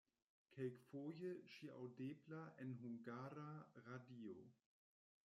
Kelkfoje ŝi aŭdebla en Hungara Radio.